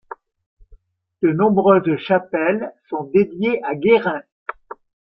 De nombreuses chapelles sont dédiés à Guérin.